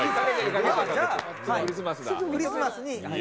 じゃあクリスマスだ。